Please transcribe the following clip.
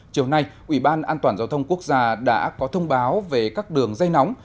chiều nay ủy ban an toàn giao thông quốc gia đã có thông báo về các đường dây nóng